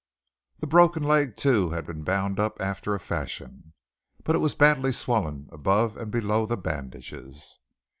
The broken leg too had been bound up after a fashion, but it was badly swollen above and below the bandages.